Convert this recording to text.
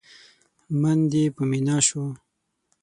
من دې په مينا شو؟!